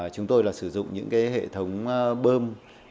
chúng tôi là sử dụng những hệ thống bơm